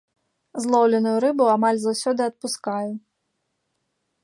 Злоўленую рыбу амаль заўсёды адпускаю.